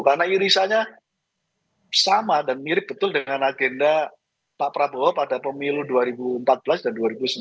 karena irisanya sama dan mirip betul dengan agenda pak prabowo pada pemilu dua ribu empat belas dan dua ribu sembilan belas